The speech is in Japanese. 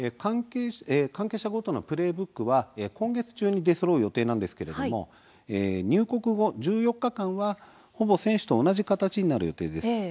関係者ごとのプレーブックは今月中に出そろう予定なんですが入国後１４日間は、ほぼ選手と同じ形になる予定です。